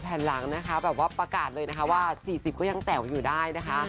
แบบว่าประกาศเลยนะครับว่า๔๐ก็ยังแต่วอยู่ได้นะคะ